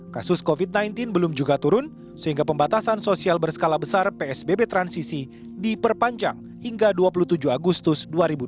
kasus covid sembilan belas belum juga turun sehingga pembatasan sosial berskala besar psbb transisi diperpanjang hingga dua puluh tujuh agustus dua ribu dua puluh